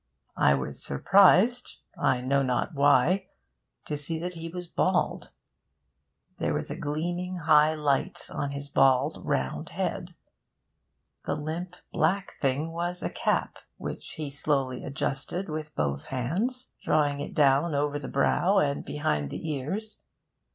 I was surprised (I know not why) to see that he was bald. There was a gleaming high light on his bald, round head. The limp, black thing was a cap, which he slowly adjusted with both hands, drawing it down over the brow and behind the ears.